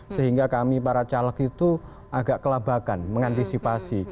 sehingga kami para caleg itu agak kelabakan mengantisipasi